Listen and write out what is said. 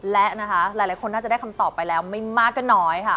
และนะคะหลายคนน่าจะได้คำตอบไปแล้วไม่มากก็น้อยค่ะ